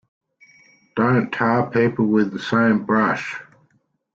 Don't tar people with the same brush.